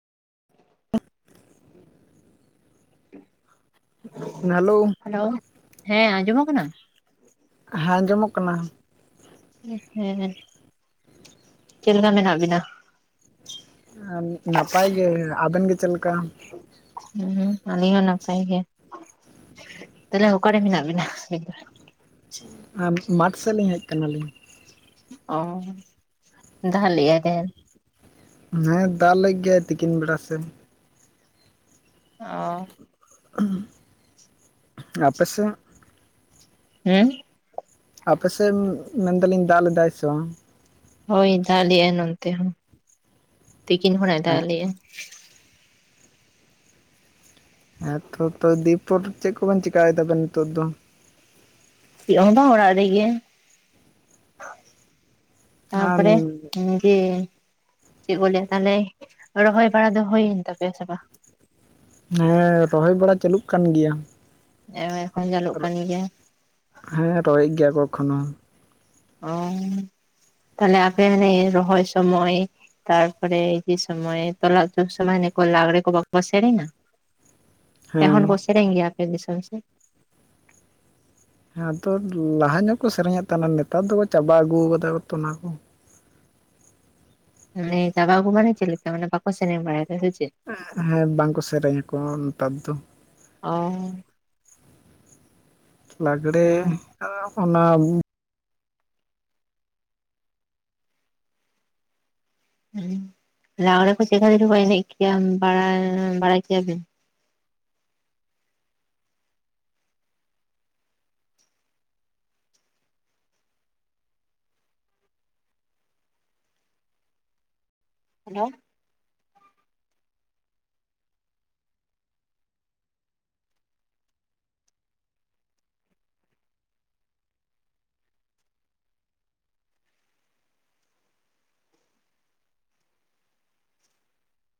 Hello ᱦᱮᱸ ᱟᱸᱡᱚᱢᱚᱜ ᱠᱟᱱᱟ? ᱦᱮᱸ ᱟᱸᱡᱚᱢᱚᱜ ᱠᱟᱱᱟ᱾ ᱦᱮᱸ ᱦᱮᱸ, ᱪᱮᱫ ᱞᱮᱠᱟ ᱢᱮᱱᱟᱜ ᱵᱤᱱᱟ? ᱱᱟᱯᱟᱭ ᱜᱮ, ᱟᱵᱮᱱ ᱜᱮ ᱪᱮᱫ ᱞᱮᱠᱟ? ᱦᱩᱸ ᱟᱞᱤᱧ ᱦᱚᱸ ᱱᱟᱯᱟᱭ ᱜᱮ᱾ ᱛᱟᱦᱚᱞᱮ ᱚᱠᱟᱨᱮ ᱢᱮᱱᱟᱜ ᱵᱤᱱᱟ ᱟᱵᱤᱱ ᱫᱚ? ᱮᱢ ᱢᱟᱴᱷ ᱥᱮᱫ ᱞᱤᱧ ᱦᱮᱡ ᱠᱟᱱᱟᱞᱤᱧ᱾ ᱚ ᱫᱟᱜ ᱞᱮᱜ-ᱟᱭ ᱛᱮᱦᱮᱱ? ᱦᱮᱸ ᱫᱟᱜ ᱞᱮᱜ ᱜᱮᱭᱟᱭ ᱛᱤᱠᱤᱱ ᱵᱮᱲᱟ ᱥᱮᱱ᱾ ᱚ᱾ [inaudible] ᱟᱯᱮ ᱥᱮᱫ? ᱦᱩᱸ? ᱟᱯᱮᱥᱮᱫ ᱢᱮᱱᱫᱟᱞᱤᱧ ᱫᱟᱜ ᱞᱮᱫᱟᱭ ᱥᱮ ᱵᱟᱝ? ᱦᱳᱭ ᱫᱟᱜ ᱞᱮᱜ-ᱟᱭ ᱱᱚᱱᱛᱮ ᱦᱚᱸ ᱛᱤᱠᱤᱱ ᱠᱷᱚᱲᱟᱜ-ᱮ ᱫᱟᱜ ᱞᱮᱜ-ᱟ᱾ ᱦᱮᱸᱛᱚ ᱦᱮᱸᱛᱚ ᱛᱚ ᱫᱤ ᱯᱚᱨ ᱪᱮᱫ ᱠᱚᱵᱮᱱ ᱪᱤᱠᱟᱭ ᱫᱟᱵᱮᱱ ᱱᱤᱛᱚᱜ ᱫᱚ? ᱪᱮᱫ ᱦᱚᱵᱟᱝ ᱦᱚᱲᱟᱜ ᱨᱮ ᱜᱮ, ᱟᱨ ᱦᱮᱸ ᱛᱟᱨᱯᱚᱨᱮ ᱡᱮ, ᱪᱮᱫ ᱠᱚ ᱞᱟᱹᱭᱟ ᱛᱟᱦᱚᱞᱮ ᱨᱚᱦᱚᱭ ᱵᱟᱲᱟ ᱫᱚ ᱦᱩᱭᱮᱱ ᱛᱟᱯᱮᱭᱟ ᱥᱮ ᱵᱟᱝ? ᱦᱮᱸ ᱨᱚᱦᱚᱭ ᱵᱟᱲᱟ ᱪᱟᱹᱞᱩᱜ ᱠᱟᱱ ᱜᱮᱭᱟ, ᱮᱢ ᱮᱠᱷᱚᱱ ᱡᱟᱹᱞᱩᱜ ᱠᱟᱱ ᱜᱮᱭᱟ, ᱦᱮᱸ, ᱨᱚᱦᱚᱭ ᱜᱮᱭᱟ ᱠᱚ ᱮᱠᱷᱚᱱᱳ, ᱚᱻ ᱛᱟᱦᱚᱞᱮ ᱟᱯᱮ ᱦᱟᱱᱮ ᱨᱚᱦᱚᱭ ᱥᱚᱢᱚᱭ, ᱛᱟᱨᱯᱚᱨᱮ ᱡᱮ ᱥᱚᱢᱚᱭ ᱛᱚᱞᱟ ᱥᱚᱢᱚᱭ ᱞᱟᱜᱽᱲᱮ ᱠᱚ ᱵᱟᱠᱚ ᱥᱮᱨᱮᱧᱟ? [unintelligible] ᱱᱮᱦᱚᱨ ᱵᱚ ᱥᱮᱨᱜ ᱜᱮᱭᱟ ᱟᱯᱮ ᱫᱤᱥᱚᱢ ᱥᱮᱫ? ᱦᱮᱸ ᱟᱫᱚ ᱞᱟᱦᱟ ᱧᱚᱜ ᱠᱚ ᱥᱮᱨᱮᱧᱮᱫ ᱛᱟᱦᱮᱱᱟ ᱱᱮᱛᱟᱨ ᱫᱚ ᱠᱚ ᱪᱟᱵᱟ ᱟᱹᱜᱩ ᱠᱟᱫᱟᱚ ᱚᱱᱟ ᱠᱚ, ᱢᱟᱱᱮ ᱪᱟᱵᱟ ᱟᱜᱩ ᱢᱟᱱᱮ ᱪᱮᱫ ᱞᱮᱠᱟ ᱢᱟᱱᱮ ᱵᱟᱠᱚ ᱥᱮᱨᱮᱧ ᱵᱟᱲᱟᱭᱟ? ᱦᱮᱸ ᱦᱮᱸ ᱵᱟᱝᱠᱚ ᱥᱮᱨᱮᱧᱟ ᱠᱚ ᱱᱮᱛᱟᱨ ᱫᱚ, ᱚᱻ, ᱞᱟᱜᱽᱲᱮ ᱦᱮᱸ ᱚᱱᱟ, ᱦᱩᱸ ᱞᱟᱜᱽᱲᱮ ᱠᱚ ᱪᱮᱠᱟ ᱨᱮᱪᱠᱚ ᱮᱱᱮᱡ ᱜᱮᱭᱟ ᱵᱟᱲᱟ ᱵᱟᱲᱟᱭ ᱠᱮᱭᱟ ᱵᱮᱱ? ᱦᱮᱞᱳ,